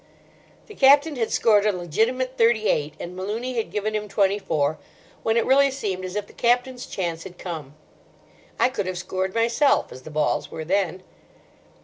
The Captain had scored a legitimate thirty eight, and Malooney had given him twenty four, when it really seemed as if the Captain's chance had come. I could have scored myself as the balls were then.